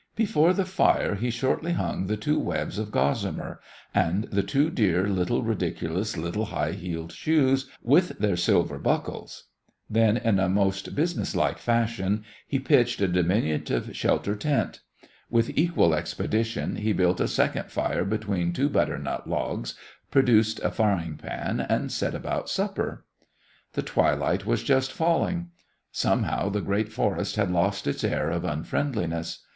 Before the fire he shortly hung the two webs of gossamer and the two dear little ridiculous little high heeled shoes, with their silver buckles. Then in a most business like fashion he pitched a diminutive shelter tent. With equal expedition he built a second fire between two butternut logs, produced a frying pan, and set about supper. The twilight was just falling. Somehow the great forest had lost its air of unfriendliness.